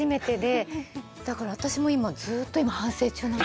だから私も今ずっと今反省中なんです。